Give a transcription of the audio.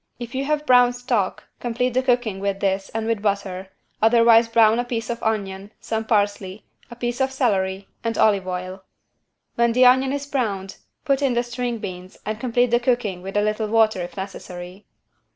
If you have brown stock complete the cooking with this and with butter, otherwise brown a piece of onion, some parsley, a piece of celery and olive oil. When the onion is browned put in the string beans and complete the cooking with a little water if necessary.